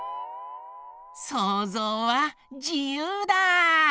そうぞうはじゆうだ！